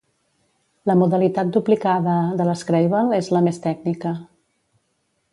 La modalitat duplicada de l'Scrabble és la més tècnica.